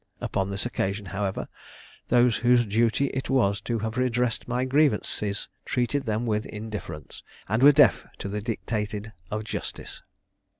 Upon this occasion, however, those whose duty it was to have redressed my grievances treated them with indifference, and were deaf to the dictated of justice.